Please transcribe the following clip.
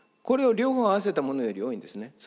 これを両方合わせたものより多いんですね。